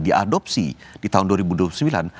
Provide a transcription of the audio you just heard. diadopsi di tahun dua ribu dua puluh sembilan